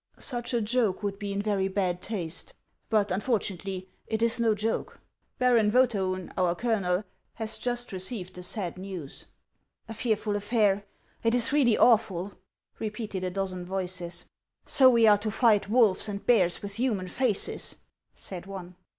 " Such a joke would be in very bad taste ; but unfortu nately it is no joke. Baron Vcethaiin, our colonel, has just received the sad news." " A fearful affair ! It is really awful •" repeated a dozen voices. " So we are to fight wolves and bears with human faces," said one.